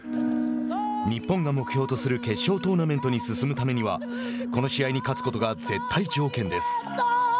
日本が目標とする決勝トーナメントに進むためにはこの試合に勝つことが絶対条件です。